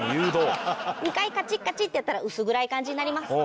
２回カチッカチッてやったら薄暗い感じになります。